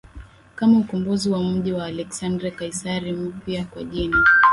kama ukombozi kwa mji wa Aleksandria Kaisari mpya kwa jina